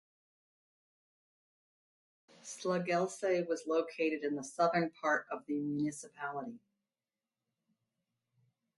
Slagelse was located in the southern part of the municipality.